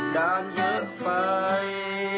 งานเยอะไป